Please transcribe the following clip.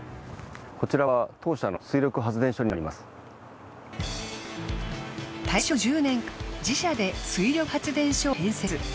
こちらは大正１０年から自社で水力発電所を建設。